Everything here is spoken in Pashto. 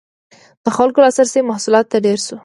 • د خلکو لاسرسی محصولاتو ته ډېر شو.